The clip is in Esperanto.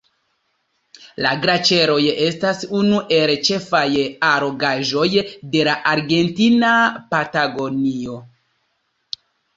La glaĉeroj estas unu el ĉefaj allogaĵoj de la Argentina Patagonio.